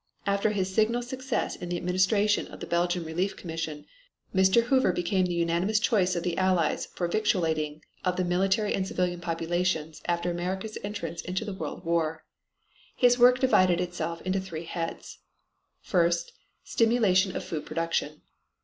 After his signal success in the administration of the Belgian Relief Commission, Mr. Hoover became the unanimous choice of the Allies for the victualing of the militant and civilian populations after America's entrance into the World War. His work divided itself into three heads: First, stimulation of food production.